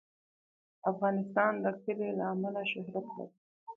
افغانستان د کلي له امله شهرت لري.